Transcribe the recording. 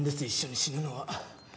一緒に死ぬのは。